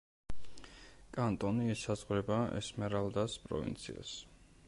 კანტონი ესაზღვრება ესმერალდას პროვინციას.